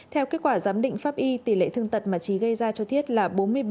theo kết quả giám định pháp y tỷ lệ thương tật mà trí gây ra cho thiết là bốn mươi ba